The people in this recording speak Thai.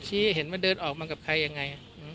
เห็นมันเดินออกมากับใครยังไง